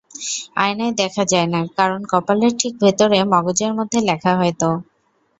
আয়নায় দেখা যায় না, কারণ কপালের ঠিক ভেতরে মগজের মধ্যে লেখা, হয়তো।